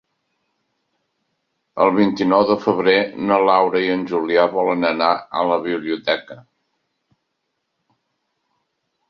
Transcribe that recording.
El vint-i-nou de febrer na Laura i en Julià volen anar a la biblioteca.